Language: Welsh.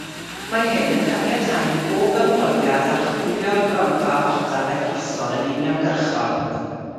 Mae hyn yn caniatáu i bob ymholiad archwilio'r gronfa ddata berthnasol yn uniongyrchol.